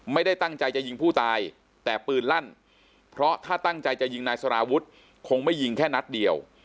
ไม่ได้ตั้งใจจะยิงผู้ตายแต่ปืนลั่นเพราะถ้าตั้งใจจะยิงนายสารวุฒิคงไม่ยิงแค่นัดเดียว